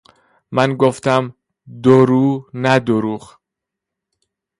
من گفتم دو رو نه دروغ